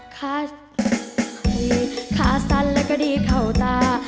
ขาขาสันและกระดีกเข้าตา